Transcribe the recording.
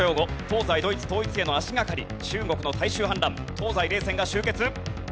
東西ドイツ統一への足がかり中国の大衆反乱東西冷戦が終結。